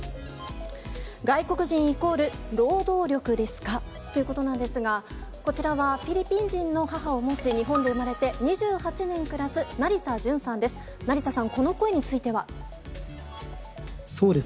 外国人イコール労働力ですか？ということなんですが、こちらはフィリピン人の母を持ち、日本で産まれて２８年暮らす成田淳さんです。